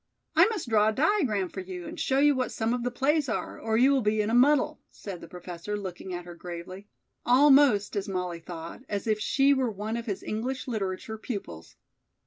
"I must draw a diagram for you and show you what some of the plays are, or you will be in a muddle," said the Professor, looking at her gravely, almost, as Molly thought, as if she were one of his English Literature pupils.